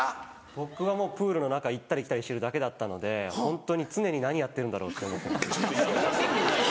僕はもうプールの中行ったり来たりしてるだけだったのでホントに常に「何やってるんだろう」って。